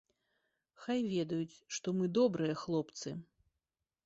Хай ведаюць, што мы добрыя хлопцы.